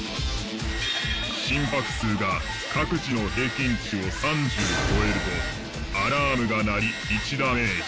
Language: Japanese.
心拍数が各自の平均値を３０超えるとアラームが鳴り１ダメージ。